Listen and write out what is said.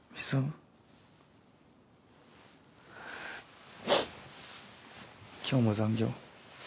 ズッ今日も残業？